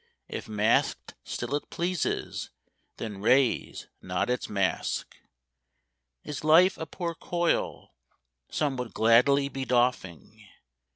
If mask'd, still it pleases, then raise not its mask. Is life a poor coil some would gladly be doffing?